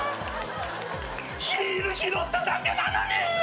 ヒール拾っただけなのに！